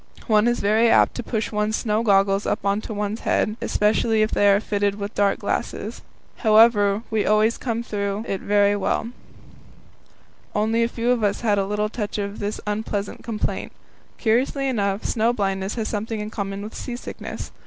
One is very apt to push one's snow goggles up on to one's forehead, especially if they are fitted with dark glasses. However, we always came through it very well; only a few of us had a little touch of this unpleasant complaint. Curiously enough, snow blindness has something in common with seasickness.